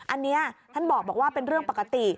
อันนี้ท่านบอกว่าเป็นเรื่องปกติ